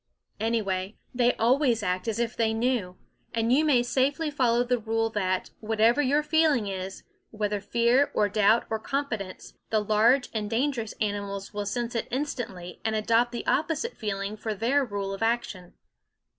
Anyway, they always act as if they knew; and you may safely follow the rule that, whatever your feeling is, whether fear or doubt or confidence, the large and dangerous animals will sense it instantly and adopt the opposite feeling for their rule of action.